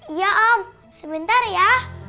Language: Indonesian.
iya om sebentar ya